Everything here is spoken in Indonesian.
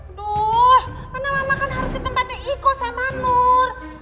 aduh mana mama kan harus ditempatin ikut sama nur